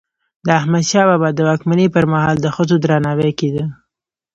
د احمدشاه بابا د واکمني پر مهال د ښځو درناوی کيده.